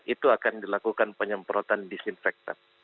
itu akan dilakukan penyemprotan disinfektan